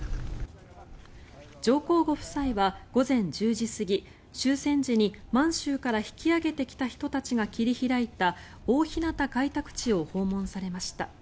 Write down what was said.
上皇ご夫妻は午前１０時過ぎ終戦時に満州から引き揚げた人たちが切り開いた大日向開拓地を訪問されました。